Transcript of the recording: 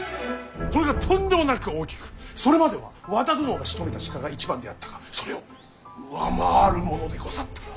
これがとんでもなく大きくそれまでは和田殿がしとめた鹿が一番であったがそれを上回るものでござった。